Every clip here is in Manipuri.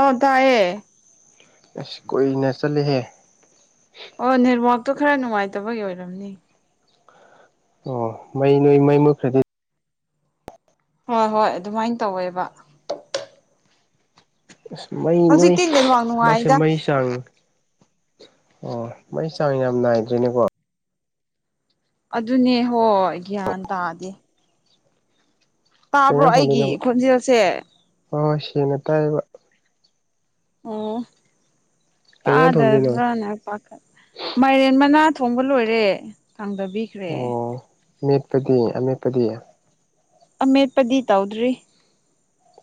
ꯑ ꯇꯥꯏꯌꯦ ꯑꯁ ꯀꯨꯏꯅ ꯆꯠꯂꯤꯍꯦ ꯑꯣ ꯅꯦꯔꯋꯥꯛꯇꯣ ꯈꯔ ꯅꯨꯡꯉꯥꯏꯇꯕꯒꯤ ꯑꯣꯏꯔꯝꯅꯤ ꯑꯣ ꯃꯩ ꯅꯣꯏ ꯃꯩ ꯃꯨꯠꯈ꯭ꯔꯗꯤ ꯍꯣꯏ ꯍꯣꯏ ꯑꯗꯨꯃꯥꯏꯅ ꯇꯧꯋꯦꯕ ꯑꯁ ꯃꯩ ꯅꯣꯏ ꯍꯧꯖꯤꯛꯇꯤ ꯅꯦꯠꯋꯥꯛ ꯍꯟꯗꯛꯁꯦ ꯅꯨꯡꯉꯥꯏꯗ ꯃꯩ ꯆꯥꯡ ꯑꯣ ꯃꯩ ꯆꯥꯡ ꯌꯥꯝ ꯅꯥꯏꯗꯔ꯭ꯦꯅꯦꯀꯣ ꯑꯗꯨꯅꯦ ꯍꯣꯏ ꯒ꯭ꯌꯥꯟ ꯇꯥꯗꯤ ꯇꯥꯕ꯭ꯔꯣ ꯑꯩꯒꯤ ꯈꯣꯟꯖꯦꯜꯁꯦ ꯑꯣ ꯁ‌ꯩꯡꯅ ꯇꯥꯏꯕ ꯑꯣ ꯀꯩ ꯏꯟꯖꯥꯡ ꯊꯣꯡꯗꯣꯏꯅꯣ ꯇꯥꯗꯕ꯭ꯔꯥꯅ ꯄꯥ ꯃꯥꯏꯔꯦꯟ ꯃꯅꯥ ꯊꯣꯡꯕ ꯂꯣꯏꯔꯦ ꯊꯥꯡꯗꯕꯤꯈ꯭ꯔꯦ ꯑꯣ ꯃꯦꯠꯄꯗꯤ ꯑꯃꯦꯠꯄꯗꯤ ꯑꯃꯦꯠꯄꯗꯤ ꯇꯧꯗ꯭ꯔꯤ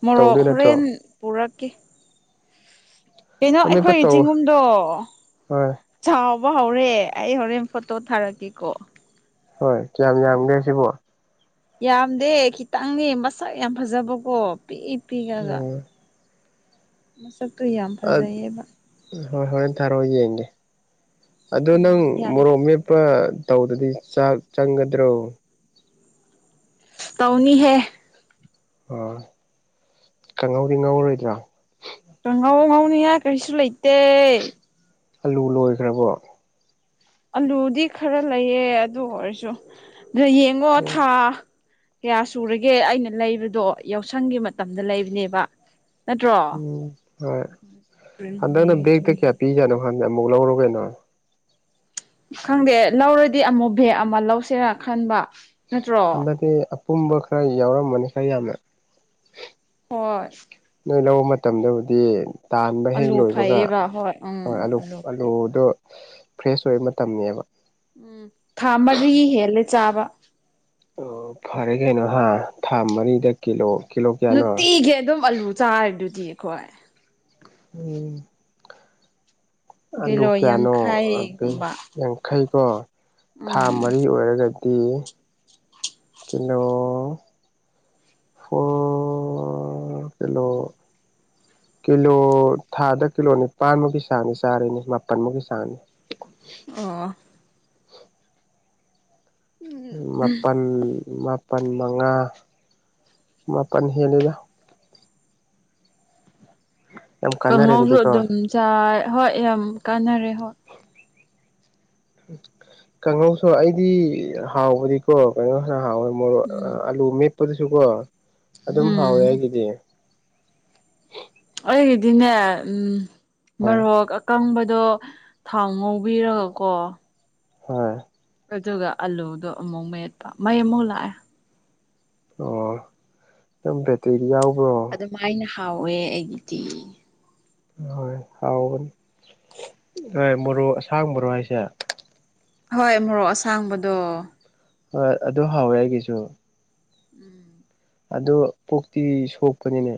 ꯃꯣꯔꯣꯛ ꯇꯧꯗꯣꯏ ꯅꯠꯇ꯭ꯔꯣ ꯍꯣꯔꯦꯟ ꯄꯨꯔꯛꯀꯦ ꯀꯩꯅꯣ ꯑꯃꯦꯠꯄ ꯑꯩꯈꯣꯏꯒꯤ ꯇꯧ ꯆꯤꯡꯒꯨꯝꯗꯣ ꯍꯣꯏ ꯆꯥꯎꯕ ꯍꯧꯔꯦ ꯑꯩ ꯍꯣꯔꯦꯟ ꯐꯣꯇꯣ ꯊꯥꯔꯛꯀꯦꯀꯣ ꯍꯣꯏ ꯀ꯭ꯌꯥꯝ ꯌꯥꯝꯒꯦ ꯁꯤꯕꯣ ꯌꯥꯝꯗꯦ ꯈꯤꯇꯪꯅꯦ ꯃꯁꯛ ꯌꯥꯝ ꯐꯖꯕꯀꯣ ꯄꯤꯛꯏ ꯄꯤꯛ ꯑꯒ ꯎꯝ ꯃꯁꯛꯇꯨ ꯌꯥꯝ ꯐꯖꯩꯌꯦꯕ ꯍꯣꯏ ꯍꯣꯔꯦꯟ ꯊꯥꯔꯛꯑꯣ ꯌꯦꯡꯒꯦ ꯑꯗꯣ ꯅꯪ ꯎꯝ ꯌꯥꯝ ꯃꯣꯔꯣꯛ ꯃꯦꯞ ꯄ ꯇꯧꯗꯗꯤ ꯆꯥꯛ ꯆꯪꯒꯗ꯭ꯔꯣ ꯇꯧꯅꯤ ꯍꯦ ꯑ ꯀꯪꯉꯧꯗꯤ ꯉꯧꯔꯣꯏꯗ꯭ꯔꯥ ꯀꯉꯥꯡꯉꯧ ꯉꯧꯅꯤꯉꯥꯏ ꯀꯔꯤꯁꯨ ꯂꯩꯇ ꯑꯂꯨ ꯂꯣꯏꯈ꯭ꯔꯕꯣ ꯑꯂꯨꯗꯤ ꯈꯔ ꯂꯩꯌꯦ ꯑꯗꯨ ꯑꯣꯏꯔꯁꯨ ꯑꯗꯨꯗ ꯌꯦꯡꯉꯣ ꯊꯥ ꯀꯌꯥ ꯁꯨꯔꯒꯦ ꯑꯩꯅ ꯂꯩꯕꯗꯣ ꯌꯥꯎꯁꯪꯒꯤ ꯃꯇꯝꯗ ꯂꯩꯕꯅꯦꯕ ꯅꯠꯇ꯭ꯔꯣ ꯎꯝ ꯍꯣꯏ ꯑꯦꯄ꯭ꯔꯤꯜ ꯍꯟꯗꯛꯅ ꯃꯦ ꯕꯦꯒꯛꯇ ꯖꯨꯟ ꯀꯌꯥ ꯄꯤꯖꯠꯅꫭ ꯈꯪꯗ ꯑꯃꯨꯛ ꯂꯧꯔꫭ ꯀꯩꯅꫭ ꯈꯪꯗꯦ ꯂꯧꯔꯗꯤ ꯑꯃꯨꯛ ꯕꯦꯛ ꯑꯃ ꯂꯧꯁꯦꯔꯥ ꯈꯟꯕ ꯅꯠꯇ꯭ꯔꯣ ꯍꯟꯗꯗꯤ ꯑꯄꯨꯝꯕ ꯈꯔ ꯌꯥꯎꯔꯝꯕꯅꯤ ꯈꯔ ꯌꯥꯝꯅ ꯍꯣꯏ ꯅꯣꯏ ꯂꯧꯕ ꯃꯇꯝꯗꯕꯨꯗꯤ ꯇꯥꯟꯕ ꯍꯦꯛ ꯑꯂꯨ ꯂꯣꯏꯕꯒ ꯐꯩꯌꯦꯕ ꯎꯝ ꯍꯣꯏ ꯑꯂꯨ ꯐꯩꯌꯦꯕ ꯑꯂꯨꯗꯣ ꯐ꯭ꯔꯦꯁ ꯑꯣꯏꯕ ꯃꯇꯝꯅꯤꯕ ꯎꯝ ꯊꯥ ꯃꯔꯤ ꯍꯦꯜꯂꯦ ꯆꯥꯕ ꯑꯣ ꯐꯔꯦ ꯀꯩꯅꯣ ꯍꯥ ꯊꯥ ꯃꯔꯤꯗ ꯀꯤꯂꯣ ꯀꯤꯂꯣ ꯀꯌꯥꯅꯣ ꯅꯨꯡꯇꯤꯒꯤ ꯑꯗꯨꯝ ꯑꯂꯨ ꯆꯥꯔꯗꯨꯗꯤ ꯑꯩꯈꯣꯏ ꯎꯝ ꯑꯂꯨ ꯀꯤꯂꯣ ꯀꯌꯥꯅꯣꯕ ꯌꯥꯡꯈꯩꯒꯨꯝꯕ ꯌꯥꯡꯈꯩꯀꯣ ꯊꯥ ꯎꯝ ꯃꯔꯤ ꯑꯣꯏꯔꯒꯗꯤ ꯀꯂꯣ ꯑꯣ ꯀꯩꯅꯣ ꯀꯤꯂꯣ ꯊꯥꯗ ꯀꯤꯂꯣ ꯅꯤꯄꯥꯥꯟꯃꯨꯛꯀꯤ ꯁꯥꯥꯡꯅꯤ ꯆꯥꯔꯤꯅꯤ ꯃꯥꯄꯜꯃꯨꯛꯀꯤ ꯁꯥꯥꯡꯅꯤ ꯑꯣ ꯃꯥꯄꯜ ꯃꯥꯄꯜ ꯃꯉꯥ ꯃꯥꯄꯜ ꯍꯦꯜꯂꯤꯗ ꯌꯥꯝ ꯀꯥꯟꯅꯔꯦ ꯀꯥꯡꯉꯧꯁꯨ ꯑꯗꯨꯗꯤꯀꯣ ꯑꯗꯨꯝ ꯆꯥꯏ ꯍꯣꯏ ꯌꯥꯝ ꯀꯥꯟꯅꯔꯦ ꯍꯣꯏ ꯀꯥꯡꯍꯧꯁꯨ ꯑꯩꯗꯤ ꯍꯥꯎꯕꯗꯤ ꯀꯣ ꯀꯩꯅꯣ ꯈꯔ ꯍꯥꯎꯋꯦ ꯃꯣꯔꯣꯛ ꯎꯝ ꯑꯂꯨ ꯃꯦꯞꯄꯗꯨꯁꯨ ꯀꯣ ꯑꯗꯨꯝ ꯎꯝ ꯍꯥꯎꯋꯦ ꯑꯩꯒꯤꯗꯤ ꯑꯩꯒꯤꯗꯤꯅꯦ ꯎꯝ ꯍꯣꯏ ꯃꯔꯣꯛ ꯀꯪꯕꯗꯣ ꯊꯥꯎ ꯉꯧꯕꯤꯔꯒꯀꯣ ꯍꯣꯏ ꯑꯗꯨꯒ ꯑꯥꯂꯨꯗꯣ ꯑꯃꯨꯛ ꯃꯌꯦꯠꯄ ꯃꯩ ꯑꯃꯨꯛ ꯂꯥꯛꯑꯦ ꯑꯣ ꯅꯪ ꯕꯦꯇꯔꯤ ꯌꯥꯎꯕ꯭ꯔꯣ ꯀꯃꯥꯏꯅ ꯍꯥꯎꯋꯦ ꯑꯩꯒꯤꯗꯤ ꯍꯣꯏ ꯍꯥꯎꯒꯅꯤ ꯍꯣꯏ ꯃꯔꯣꯛ ꯑꯁꯥꯡꯕꯔꯣ ꯍꯥꯏꯁꯦ ꯍꯣꯏ ꯃꯣꯔꯣꯛ ꯑꯁꯥꯡꯕꯗꯣ ꯍꯣꯏ ꯑꯗꯨ ꯍꯥꯎꯋꯦ ꯑꯩꯒꯤꯁꯨ ꯎꯝ ꯑꯣ ꯄꯣꯛꯇꯤ ꯁꯣꯛꯄꯅꯤꯅꯦ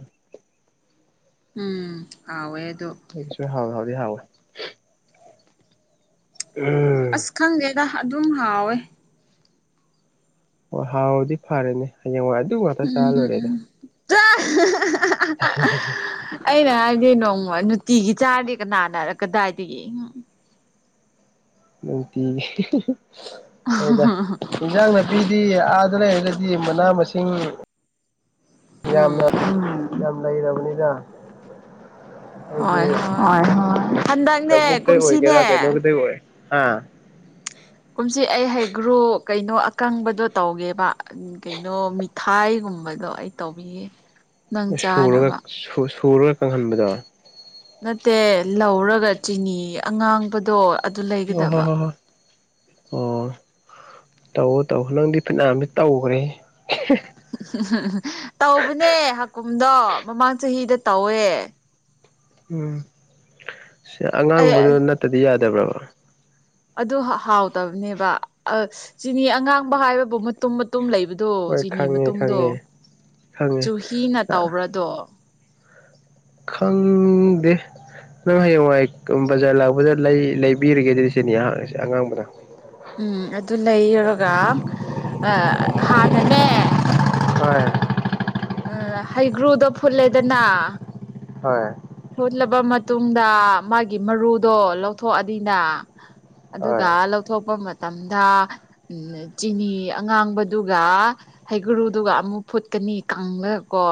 ꯎꯝ ꯍꯋꯦ ꯑꯗꯨ ꯑꯩꯁꯨ ꯍꯥꯎꯋ ꯍꯥꯎꯗꯤ ꯍꯥꯎꯋꯦ ꯎꯝ ꯑꯁ ꯈꯪꯗꯦꯗ ꯑꯗꯨꯝ ꯍꯥꯎꯋꯦ ꯍꯣꯏ ꯍꯥꯎꯗꯤ ꯐꯔꯦꯅꯦ ꯍꯌꯦꯡꯋꯥꯏ ꯑꯗꯨ ꯉꯥꯛꯇ ꯆꯥꯔ ꯂꯣꯏꯔꯦꯗ ꯇ [unintelligible] ꯑꯩꯅ ꯍꯥꯏꯗꯤ ꯅꯣꯡꯃ ꯅꯨꯡꯇꯤꯒꯤ ꯆꯥꯔꯗꯤ ꯀꯅꯥꯅꯔꯛꯀꯗꯥꯏꯗꯒꯤ ꯅꯨꯡꯇꯤꯒꯤ ꯍꯣꯏꯗ ꯏꯟꯖꯥꯡ ꯅꯥꯄꯤꯗꯤ ꯑꯥꯗ ꯂꯩꯔꯒꯗꯤ ꯃꯅꯥ ꯃꯁꯤꯡ ꯌꯥꯝꯅ ꯎꯝ ꯌꯥꯝ ꯂꯩꯔꯕꯅꯤꯅ ꯍꯣꯏ ꯍꯣꯏ ꯍꯟꯗꯛꯅꯦ ꯂꯨꯒ ꯊꯣꯏ ꯀꯗ ꯀꯨꯝꯁꯤꯅꯦ [inaudible] ꯀ ꯅꯨ ꯀ ꯊꯩ ꯑꯣꯏ ꯍꯥ ꯀꯨꯝꯁꯤ ꯑꯩ ꯍꯩꯒ꯭ꯔꯣ ꯀꯩꯅꯣ ꯑꯀꯪꯕꯗꯣ ꯇꯧꯒꯦꯕ ꯀꯩꯅꯣ ꯃꯤꯊꯥꯏꯒꯨꯝꯕꯗꯣ ꯑꯩ ꯇꯧꯕꯤꯌꯦ ꯁꯨꯔꯒ ꯀꯪꯍꯟꯕꯗꯣ ꯅꯠꯇꯦ ꯂꯧꯔꯒ ꯆꯤꯅꯤ ꯑꯉꯥꯡꯕꯗꯣ ꯑꯗꯨ ꯑꯣ ꯍꯣ ꯂꯩꯒꯗꯕ ꯍ ꯍ ꯑꯣ ꯇꯧꯎ ꯇꯧ ꯅꯪꯗꯤ ꯐꯅꯝꯁ ꯇꯧꯈ꯭ꯔꯦ ꯎ ꯇꯧꯕꯅꯦ ꯍꯀꯨꯝꯗꯣ ꯃꯃꯥꯡ ꯆꯍꯤꯗ ꯇꯧꯋꯦ ꯎꯝ ꯁꯤ ꯑꯉꯥꯡꯕꯗꯨ ꯑꯩ ꯅꯠꯇꯗꯤ ꯌꯥꯗꯕ꯭ꯔꯕ ꯑꯗꯨ ꯍꯥꯎꯇꯕꯅꯦꯕ ꯆꯅꯤ ꯑꯉꯥꯡꯕ ꯍꯥꯏꯕꯕꯨꯨ ꯃꯇꯨꯝ ꯃꯇꯨꯝ ꯂꯩꯕꯗꯣ ꯍꯣꯏ ꯆꯤꯅꯤ ꯈꯪꯉꯦ ꯃꯇꯨꯝꯗꯣ ꯈꯪꯉꯦ ꯈꯪꯉꯦ ꯆꯨꯍꯤꯅ ꯇꯧꯕ꯭ꯔꯥꯗꯣ ꯈꯪꯗꯦ ꯅꯪ ꯍꯌꯦꯡꯋꯥꯏ ꯕꯖꯥꯔ ꯂꯥꯛꯄꯗ ꯂꯩꯕꯤꯔꯒꯦ ꯑꯗꯨ ꯁꯤꯅꯤ ꯑꯩꯍꯥꯛ ꯑꯉꯥꯡꯕꯗ ꯎꯝ ꯑꯗꯨ ꯂꯩꯔꯒ ꯍꯥꯟꯅꯅꯦ ꯍꯣꯏ ꯎ ꯍꯩꯒ꯭ꯔꯨꯗꯣ ꯐꯨꯜꯂꯦꯗꯅ ꯍꯣꯏ ꯐꯨꯠꯂꯕ ꯃꯇꯨꯡꯗ ꯃꯥꯒꯤ ꯃꯔꯨꯗꯣ ꯂꯧꯊꯣꯛꯑꯅꯤꯅ ꯑꯗꯨꯒ ꯍꯣꯏ ꯂꯧꯊꯣꯛꯄ ꯃꯇꯝꯗ ꯎ ꯆꯤꯅꯤ ꯑꯉꯥꯡꯕꯗꯨꯒ ꯍꯩꯒꯨꯔꯨꯗꯨꯒ ꯑꯃꯨꯛ ꯐꯨꯠꯀꯅꯤ ꯀꯪꯂꯒ ꯀꯣ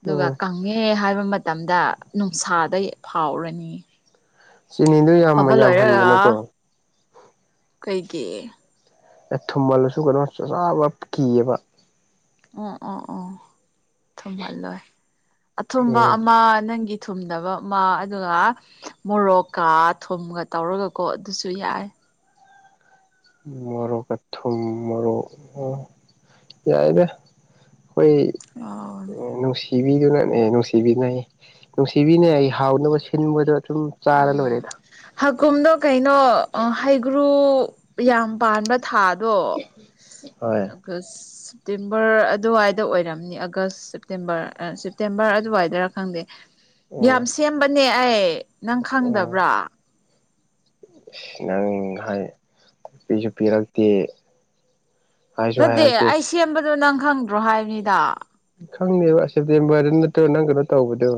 ꯑꯗꯨꯒ ꯎꯝ ꯀꯪꯉꯦ ꯍꯥꯏꯕ ꯃꯇꯝꯗ ꯅꯨꯡꯁꯥꯗ ꯐꯥꯎꯔꯅꯤ ꯁꯤꯅꯤꯗꯨ ꯌꯥꯝ ꯐꯕ ꯌꯥꯝꯍꯟꯒꯅꯨꯀꯣ ꯀꯩꯒꯤ ꯌꯥꯝ ꯊꯨꯝꯃꯜꯂꯁꯨ ꯀꯩꯅꯣ ꯆꯥꯕ ꯀꯤꯌꯦꯕ ꯑꯣ ꯑꯣ ꯑꯣ ꯊꯨꯝꯍꯜꯂꯣꯏ ꯑꯊꯨꯝꯕ ꯎꯝ ꯑꯃ ꯅꯪꯒꯤ ꯊꯨꯝꯗꯕ ꯑꯃ ꯑꯗꯨꯒ ꯃꯣꯔꯣꯛꯀ ꯊꯨꯝꯒ ꯇꯧꯔꯒꯀꯣ ꯑꯗꯨꯁꯨ ꯌꯥꯏ ꯃꯣꯔꯣꯛꯀ ꯊꯨꯝ ꯃꯣꯔꯣꯛ ꯌꯥꯏꯗ ꯑꯩꯈꯣꯏ ꯑꯣ ꯅꯨꯡꯁꯤ ꯅꯨꯡꯁꯤꯕꯤꯗꯨꯅꯅꯦ ꯅꯨꯡꯁꯤꯕꯤꯅ ꯅꯨꯡꯁꯤꯕꯤꯅ ꯑꯩ ꯍꯥꯎꯅꯕ ꯁꯤꯟꯕꯗꯣ ꯑꯗꯨꯨꯝ ꯎꯝ ꯍꯥꯀꯨꯝꯗꯣ ꯀꯩꯅꯣ ꯑꯣ ꯍꯩꯒ꯭ꯔꯨ ꯌꯥꯝ ꯄꯥꯟꯕ ꯊꯥꯗꯣ ꯍꯣꯏ ꯒꯁ ꯁꯦꯞꯇꯦꯝꯕꯔ ꯑꯗꯨꯋꯥꯏꯗ ꯑꯣꯏꯔꯝꯅꯤ ꯑꯥꯒꯁ ꯁꯦꯞꯇꯦꯝꯕꯔ ꯁꯦꯞꯇꯦꯝꯕꯔ ꯑꯗꯨꯋꯥꯏꯗꯔꯥ ꯈꯪꯗꯦ ꯎꯝ ꯌꯥꯝ ꯁꯦꯝꯕꯅꯦ ꯑꯩ ꯅꯪ ꯈꯪꯗꯕ꯭ꯔꯥ ꯑꯁ ꯅꯪ ꯍꯥꯏ ꯅꯨꯄꯤꯁꯨ ꯄꯤꯔꯛꯇꯦ ꯍꯥꯏꯁꯨ ꯅꯠꯇꯦ ꯍꯥꯏꯔꯛꯇꯦ ꯑꯩ ꯁꯦꯝꯕꯗꯨꯣ ꯅꯪ ꯈꯪꯗ꯭ꯔꯣ ꯍꯥꯏꯕꯅꯤꯗ ꯈꯪꯗꯦꯕ ꯁꯦꯞꯇꯦꯝꯕꯔꯗꯨ ꯅꯠꯇ꯭ꯔꯣ ꯅꯪ ꯀꯩꯅꯣ ꯇꯧꯕꯗꯣ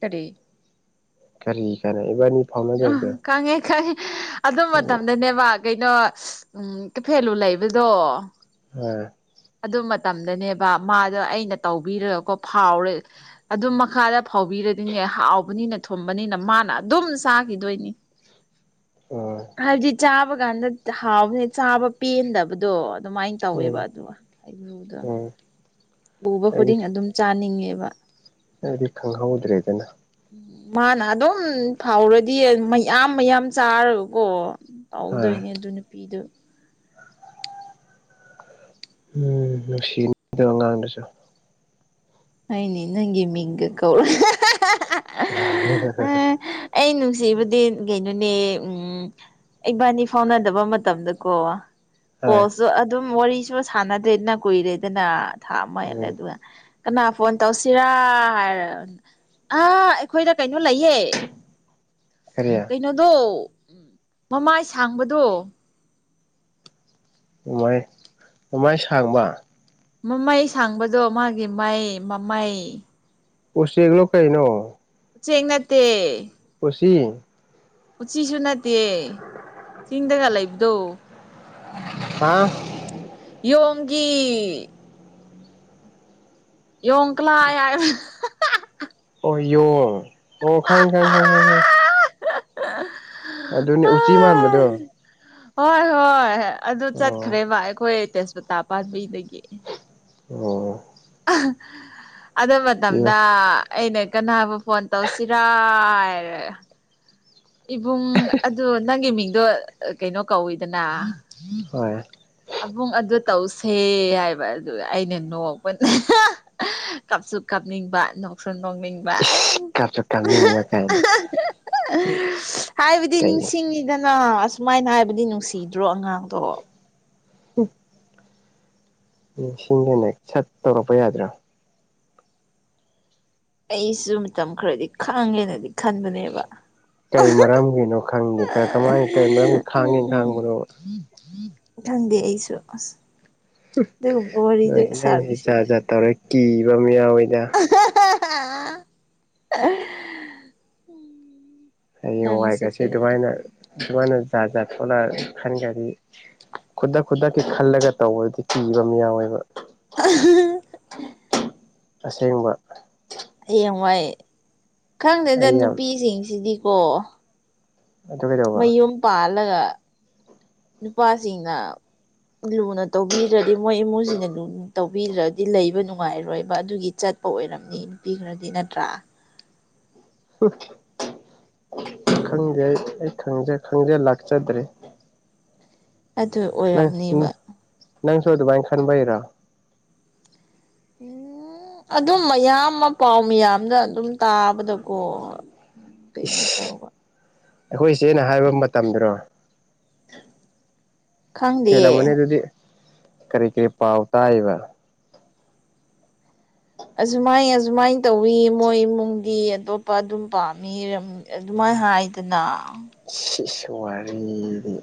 ꯀꯔꯤ ꯀꯔꯤ ꯀꯔꯤ ꯏꯕꯥꯟꯅꯤ ꯑꯥ ꯈꯪꯉꯦ ꯈꯪꯉꯦ ꯑꯗꯨ ꯎꯝ ꯃꯇꯝꯗꯅꯦꯕ ꯀꯩꯅꯣ ꯎꯝ ꯀꯩꯐꯦꯜꯂꯨ ꯂꯩꯕꯗꯣ ꯑꯥ ꯑꯗꯨ ꯃꯇꯝꯗꯅꯦꯕ ꯃꯥꯗꯣ ꯑꯩꯅ ꯇꯧꯕꯤꯔꯀꯣ ꯐꯥꯎꯔꯦ ꯑꯗꯨꯝ ꯃꯈꯥꯗ ꯐꯧꯎꯕꯤꯔꯗꯤꯅꯦ ꯍꯥꯎꯕꯅꯤꯅ ꯊꯨꯝꯕꯅꯤꯅ ꯃꯥꯅ ꯑꯗꯨꯝ ꯆꯥꯒꯤꯗꯣꯏꯅꯤ [inaudible] ꯍꯥꯏꯗꯤ ꯆꯥꯕꯀꯥꯟꯗ ꯍꯥꯎꯕꯅꯤꯅ ꯆꯥꯕ ꯄꯦꯟꯗꯕꯗꯣ ꯑꯗꯨꯃꯥꯏ ꯇꯧꯋꯦꯕ ꯎꯝ ꯑꯗꯨꯒ ꯑꯩꯒ꯭ꯔꯨꯗꯣ ꯎꯝ [unintelligible] ꯎꯕ ꯑꯩꯗꯤ ꯈꯨꯗꯤꯡ ꯑꯗꯨꯝ ꯆꯥꯅꯤꯡꯉꯦꯕ ꯑꯩꯗꯤ ꯈꯪꯍꯧꯗ꯭ꯔꯦꯗꯅ ꯃꯥꯅ ꯑꯗꯨꯝ ꯐꯧꯔꯗꯤ ꯃꯌꯥꯝ ꯃꯌꯥꯝ ꯆꯥꯔꯒꯀꯣ ꯍꯣꯏ ꯇꯧꯗꯣꯏꯅꯦ ꯑꯗꯨ ꯅꯨꯄꯤꯗꯨꯣ ꯎꯝ ꯅꯨꯡꯁꯤꯃꯤꯗ ꯑꯉꯥꯡꯗꯨꯁꯨ ꯑꯩꯅꯤ ꯅꯪꯒꯤ ꯃꯤꯡꯒ ꯀꯧꯔꯒ ꯑꯥ ꯑꯩ ꯅꯨꯡꯁꯤꯕꯗꯤ ꯀꯩꯅꯣꯅꯦ ꯎꯝ ꯏꯕꯥꯟꯅꯤ ꯐꯥꯎꯅꯗꯕ ꯃꯇꯝꯗꯀꯣ ꯍꯣꯏ ꯄꯣꯁꯁꯨ ꯑꯗꯨꯝ ꯋꯥꯔꯤꯁꯨ ꯁꯥꯟꯅꯗꯦꯅ ꯀꯨꯏꯔꯦꯗꯅ ꯊꯥ ꯑꯃ ꯍꯦꯜꯂꯦ ꯎꯝ ꯑꯗꯨꯒ ꯀꯅꯥ ꯐꯣꯟ ꯇꯧꯁꯤꯔꯥ ꯍꯥꯏꯔ ꯑꯥ ꯑꯩꯈꯣꯏꯗ ꯀꯩꯅꯣ ꯂꯩꯌꯦ ꯀꯔꯤ ꯀꯩꯅꯣꯗꯣ ꯃꯃꯥꯏ ꯁꯥꯡꯕꯗꯣ ꯃꯥꯏ ꯃꯃꯥꯏ ꯁꯥꯡꯕ ꯃꯃꯩ ꯁꯥꯡꯕꯗꯣ ꯃꯥꯒꯤ ꯃꯩ ꯃꯃꯩ ꯎꯆꯦꯛꯂꯣ ꯀꯩꯩꯅꯣ ꯎꯆꯦꯛ ꯅꯠꯇꯦ ꯎꯆꯤ ꯎꯆꯤꯖꯨ ꯅꯠꯇꯦ ꯆꯤꯡꯗꯒ ꯂꯩꯕꯗꯣ ꯍꯥ ꯌꯣꯡꯒꯤ ꯌꯣꯡ ꯀꯂꯥꯏ ꯍꯥꯏ ꯍꯥ ꯍꯥ [unintelligible] ꯑꯣ ꯌꯣꯡ ꯑꯣ ꯈꯪꯉꯦ ꯈꯪꯉꯦ ꯈꯪꯉꯦ ꯈꯪꯉꯦ [inaudible] ꯑꯗꯨꯅꯤ ꯎꯆꯤ ꯃꯥꯟꯕꯗꯣ ꯍꯣꯏ ꯍꯣꯏ ꯑꯗꯨ ꯑꯣ ꯆꯠꯈ꯭ꯔꯦꯕ ꯑꯩꯈꯣꯏ ꯇꯦꯁꯄꯇꯥ ꯄꯥꯝꯕꯤꯗꯒꯤ ꯑꯣ ꯑꯍꯥ ꯑꯗꯨ ꯌꯦꯡꯉꯣ ꯃꯇꯝꯗ ꯑꯩꯅ ꯀꯅꯥꯕꯨ ꯐꯣꯟ ꯇꯧꯁꯤꯔ ꯍꯥꯏꯔꯦ ꯏꯕꯨꯡ ꯑꯗꯨ ꯅꯪꯒꯤ ꯃꯤꯡꯗꯣ ꯀꯩꯅꯣ ꯀꯧꯏꯗꯅ ꯍꯣꯏ ꯑꯕꯨꯡ ꯑꯗꯨ ꯇꯧꯁꯦ ꯍꯥꯏꯕ ꯑꯗꯨ ꯑꯩꯅ ꯅꯣꯛꯄ ꯀꯞꯁꯨꯨꯞ ꯀꯞꯅꯤꯡꯕ ꯅꯣꯛꯁꯨ ꯅꯣꯛꯅꯤꯡꯕ ꯏꯁ ꯀꯞꯁꯨ ꯀꯥꯞꯅꯤꯡꯕ ꯀꯥꯏꯅ [unintelligible] ꯍꯥꯏꯕꯗꯤ ꯀꯩ ꯅꯤꯡꯁꯤꯡꯉꯤꯗꯅ ꯁꯨꯃꯥꯏꯅ ꯍꯥꯏꯕꯗꯤ ꯅꯨꯡꯁꯤꯗ꯭ꯔꯣ ꯑꯉꯥꯡꯗꯣ ꯎꯝ ꯎꯝ ꯁꯤꯡꯗꯅꯦ ꯁꯠ ꯇꯧꯔꯛꯄ ꯌꯥꯗ꯭ꯔꯣ ꯑꯩꯁꯨ ꯃꯇꯝ ꯈꯔꯗꯤ ꯈꯥꯡꯉꯦꯅꯗꯤ ꯈꯟꯕꯅꯦꯕ ꯀꯩ ꯃꯔꯝꯒꯤꯅꯣ ꯈꯪꯗꯦ ꯀꯃꯥꯏꯅ ꯀꯩ ꯃꯔꯝꯒꯤ ꯎꯝ ꯈꯥꯡꯉꯤ ꯎꯝ ꯈꯥꯡꯕꯅꯣ ꯈꯪꯗꯦ ꯑꯩꯁꯨ ꯑꯁ ꯗꯨꯒꯨꯝꯕ ꯋꯥꯔꯤꯗꯤ ꯁꯥꯔꯣꯏꯁꯤꯗ ꯇꯧꯔꯦ ꯀꯤꯕ ꯃꯤ ꯌꯥꯎꯋꯏꯗ [unintelligible] ꯍꯌꯦꯡ ꯅꯪꯁꯨ ꯋꯥꯏꯒꯁꯤ ꯀꯔꯤꯅꯣ ꯑꯗꯨꯃꯥꯏꯅ ꯑꯗꯨꯃꯥꯏꯅ ꯖꯥꯠ ꯖꯥꯠ ꯊꯣꯛꯂꯛ ꯈꯟꯒꯗꯤ ꯈꯨꯗꯛ ꯈꯨꯗꯛꯀꯤ ꯈꯜꯂꯒ ꯇꯧꯕꯗꯨꯗꯤ ꯀꯤꯕ ꯃꯤ ꯌꯥꯎꯋꯦꯕ [unintelligible] ꯑꯁꯦꯡꯕ ꯍꯌꯦꯡꯋꯥꯏ ꯈꯪꯗꯦꯗ ꯑꯩ ꯌꯥꯝ ꯅꯨꯄꯤꯁꯤꯡꯁꯤꯗꯤꯀꯣ ꯑꯗꯨ ꯀꯩꯗꯧꯕ ꯃꯌꯨꯝ ꯄꯥꯜꯂꯒ ꯅꯨꯄꯥꯁꯤꯡꯅ ꯂꯨꯅ ꯇꯧꯕꯤꯗ꯭ꯔꯗꯤ ꯃꯣꯏ ꯏꯃꯨꯡꯁꯤꯅ ꯂꯨꯅ ꯇꯧꯕꯤꯗ꯭ꯔꯗꯤ ꯂꯩꯕ ꯅꯨꯡꯉꯥꯏꯔꯣꯏꯕ ꯑꯗꯨꯒꯤ ꯆꯠ ꯄ ꯑꯣꯏꯔꯝꯅꯤ ꯅꯨꯄꯤ ꯈꯔꯗꯤ ꯅꯠꯇ꯭ꯔꯥ ꯈꯪꯗꯦ ꯑꯩ ꯑꯩ ꯈꯪꯖ ꯂꯥꯛꯆꯗ꯭ꯔꯦ ꯑꯗꯨ ꯑꯣꯏ ꯅꯪ ꯅꯪꯁꯨ ꯑꯗꯨꯃꯥꯏ ꯈꯟꯕꯩꯔꯣ ꯎꯝ ꯑꯗꯨꯝ ꯃꯌꯥꯝꯃ ꯄꯥꯃꯤ ꯃꯌꯥꯝꯗ ꯑꯗꯨꯝ ꯇꯥꯕꯗꯀꯣ ꯎꯝ ꯀꯩꯅꯣ ꯇꯧꯕ ꯑꯩꯈꯣꯏ ꯏꯆꯦꯅꯥ ꯍꯥꯏꯕ ꯃꯇꯝꯗꯔꯣ ꯈꯪꯗꯦ ꯍꯦꯜꯂꯝꯃꯅꯤ ꯑꯗꯨꯗꯤ ꯀꯔꯤ ꯀꯔꯤ ꯄꯥꯎ ꯇꯥꯏꯕ ꯑꯁꯨꯃꯥꯏ ꯑꯁꯨꯃꯥꯏ ꯇꯧꯋꯤ ꯃꯣꯏ ꯏꯃꯨꯡꯗꯤ ꯑꯇꯣꯞꯄ ꯑꯗꯨꯝ ꯄꯥꯝꯃꯤ ꯏꯔꯝ ꯑꯗꯨꯃꯥꯏꯅ ꯍꯥꯏꯗꯅ ꯏꯁ ꯏꯁ ꯋꯥꯔꯤꯗꯤ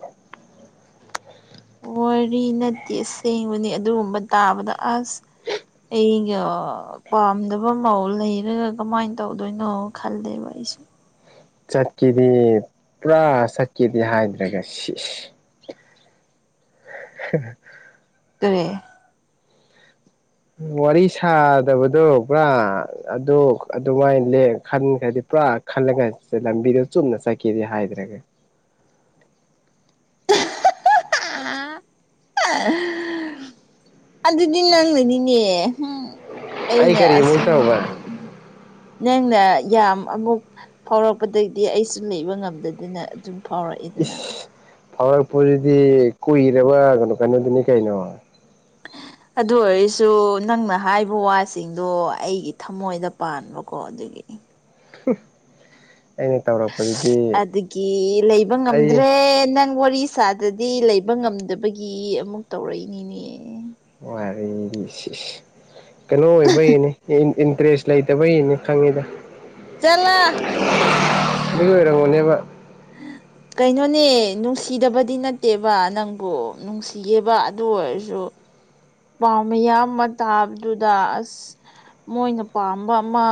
ꯋꯥꯔꯤ ꯅꯠꯇꯦ ꯑꯁꯦꯡꯕꯅꯤ ꯑꯗꯨꯒꯨꯝꯕ ꯇꯥꯕꯗ ꯑꯁ ꯑꯩꯒ ꯄꯥꯝꯗꯕ ꯃꯑꯣꯡ ꯂꯩꯔꯒ ꯀꯃꯥꯏꯅ ꯇꯧꯗꯣꯏꯅꯣ ꯈꯜꯂꯦꯕ ꯑꯩꯁꯨ ꯆꯠꯀꯗꯤ ꯄꯨꯔꯥ ꯆꯠꯀꯦꯗꯤ ꯍꯥꯏꯗ꯭ꯔꯒ ꯁꯤ [unintelligible] [unintelligible] ꯋꯥꯔꯤ ꯁꯥꯗꯕꯗꯣ ꯄꯨꯔꯥ ꯑꯗꯨ ꯑꯗꯨꯃꯥꯏꯅ ꯂ ꯈꯟꯈ꯭ꯔꯗꯤ ꯄꯨꯔꯥ ꯈꯜꯂꯒ ꯂꯝꯕꯤꯗꯣ ꯆꯨꯝꯅ ꯆꯠꯀꯗꯤ ꯍꯥꯏꯗ꯭ꯔꯒ ꯑꯗꯨꯗꯤ ꯅꯪꯅ ꯅꯤꯅꯦ ꯍꯨꯝ ꯑꯩ ꯑꯩꯅꯦ ꯀꯔꯤ ꯑꯃꯨꯛ ꯑꯁꯤ ꯇꯧꯕ ꯅꯪꯅ ꯌꯥꯝ ꯑꯃꯨꯛ ꯐꯥꯎꯔꯛꯄꯗꯒꯤꯗꯤ ꯑꯩꯁꯨ ꯂꯩꯕ ꯉꯝꯗꯗꯅ ꯑꯗꯨꯝ ꯐꯥꯎꯔꯛꯏꯗꯅ ꯐꯥꯔꯛꯄꯁꯤꯗꯤ ꯀꯨꯏꯔꯕ ꯀꯩꯅꯣ ꯀꯩꯅꯣꯗꯨꯅꯤ ꯀꯩꯅꯣ ꯑꯗꯨ ꯑꯣꯏꯔꯁꯨ ꯅꯪꯅ ꯍꯥꯏꯕ ꯋꯥꯁꯤꯡꯗꯣ ꯑꯩꯒꯤ ꯊꯃꯣꯏꯗ ꯄꯥꯟꯕꯀꯣ ꯑꯗꯨꯒꯤ [unintelligible] ꯑꯩꯅ ꯇꯧꯔ ꯑꯗꯒꯤ ꯂꯩꯕ ꯑꯩ ꯉꯝꯗ꯭ꯔꯦ ꯅꯪ ꯋꯥꯔꯤ ꯁꯥꯗꯗꯤ ꯂꯩꯕ ꯉꯝꯗꯕꯒꯤ ꯑꯃꯨꯛ ꯇꯧꯔꯛꯏꯅꯤꯅꯦ ꯋꯥꯔꯤꯗꯤ ꯁꯤ ꯀꯩꯅꯣ ꯑꯣꯏꯕꯒꯤꯅꯦ ꯏꯟꯇꯔꯦꯁ ꯂꯩꯇꯕꯒꯤꯅꯦ ꯈꯪꯉꯤꯗ ꯆꯠꯂꫭ [unintelligible] ꯀꯩꯅꯣꯅꯦ ꯅꯨꯡꯁꯤꯗꯕꯗꯤ ꯅꯠꯇꯦꯕ ꯅꯪꯕꯨ ꯅꯨꯡꯁꯤꯒꯦꯕ ꯑꯗꯨ ꯑꯣꯏꯔꯁꯨ ꯄꯥꯎꯝꯃꯤꯌꯥꯝꯕ ꯇꯥꯕꯗꯨꯗ ꯑꯁ ꯃꯣꯏꯅ ꯄꯥꯝꯕ ꯑꯃ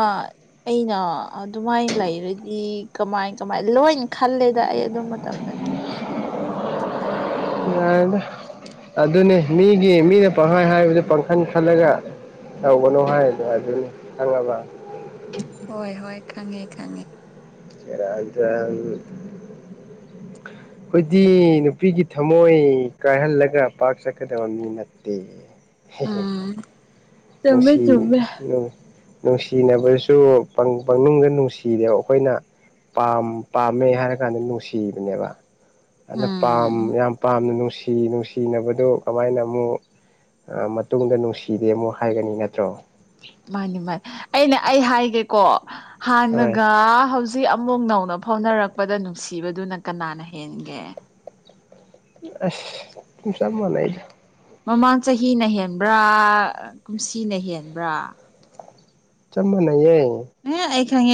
ꯑꯩꯅ ꯑꯗꯨꯃꯥꯏꯅ ꯂꯩꯔꯗꯤ ꯀꯃꯥꯏ ꯀꯃꯥꯏ ꯂꯣꯏ ꯈꯜꯂꯦꯗ ꯑꯩ ꯑꯗꯨ ꯃꯇꯝꯗ ꯌꯥꯏꯗ ꯑꯗꯨꯅꯤ ꯃꯤꯒꯤ ꯃꯤꯅ ꯄꯪꯍꯥꯏ ꯍꯥꯏꯕꯗꯨ ꯄꯥꯡꯈꯟ ꯈꯜꯂꯒ ꯇꯧꯒꯅꯨ ꯍꯥꯏ ꯑꯗꯨ ꯑꯗꯨꯅꯦ ꯈꯪꯉꯕ ꯍꯣꯏ ꯍꯣꯏ ꯈꯪꯉꯦ ꯈꯪꯉꯦ ꯁ‌ꯦꯔꯥꯟ ꯇꯨꯔꯥꯟ ꯑꯩꯈꯣꯏꯗꯤ ꯅꯨꯄꯤꯒꯤ ꯊꯝꯃꯣꯏ ꯀꯥꯏꯍꯜꯂꯒ ꯄꯥꯛ ꯆꯠꯀꯗꯕ ꯃꯤ ꯅꯠꯇꯦ ꯍ‌ꯦ ꯍ‌ꯦ ꯎꯝ ꯆꯨꯝꯃꯦ ꯉꯁꯤ ꯆꯨꯝꯃꯦ ꯅꯨꯡꯁꯤꯅꯕꯁꯨ ꯄꯅꯨꯡꯗ ꯅꯨꯡꯁꯤꯔꯦꯕ ꯑꯩꯈꯣꯏꯅ ꯄꯥꯝ ꯄꯥꯝꯃꯦ ꯍꯥꯏꯔ ꯀꯥꯟꯗ ꯅꯨꯡꯁꯤꯕꯅꯦꯕ ꯑꯗꯨꯅ ꯄꯥꯝ ꯎꯝ ꯌꯥꯝ ꯄꯥꯝꯅ ꯅꯨꯡꯁꯤ ꯅꯨꯡꯁꯤꯅꯕꯗꯨ ꯀꯃꯥꯏꯅ ꯑꯃꯨꯛ ꯃꯇꯨꯡꯗ ꯅꯨꯡꯁꯤꯗꯦ ꯑꯃꯨꯛ ꯍꯥꯏꯒꯅꯤ ꯅꯠꯇ꯭ꯔꯣ ꯃꯥꯅꯤ ꯃꯥꯅꯤ ꯑꯩꯅ ꯑꯩ ꯍꯥꯏꯒꯦꯀꯣ ꯍꯣꯏ ꯍꯥꯟꯅꯒ ꯍꯧꯖꯤꯛ ꯁꯤ ꯑꯃꯨꯛ ꯅꯧꯅ ꯐꯥꯎꯅꯔꯛꯄꯗ ꯅꯨꯡꯁꯤꯕꯗꯨꯅ ꯀꯅꯥꯅ ꯍꯦꯟꯒꯦ ꯑꯁꯨꯡ ꯆꯞ ꯃꯅꯥꯏꯗ ꯃꯃꯥꯡ ꯆꯍꯤꯅ ꯍꯦꯟꯕ꯭ꯔꯥ ꯀꯨꯝꯁꯤꯅ ꯍꯦꯟꯕ꯭ꯔꯥ ꯆꯞ ꯃꯥꯟꯅꯩꯌꯦ ꯑ ꯑꯩ ꯈꯪꯑ